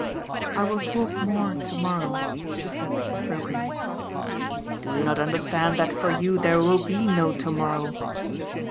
"I will talk more tomorrow," she said brokenly. "Do you not understand that for you there will be no tomorrow?"